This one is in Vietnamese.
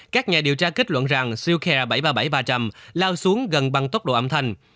các nhà điều tra kết luận rằng siêu khe bảy trăm ba mươi bảy ba trăm linh lao xuống gần bằng tốc độ âm thanh